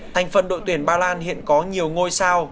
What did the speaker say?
thành phần đội tuyển ba lan hiện có nhiều ngôi sao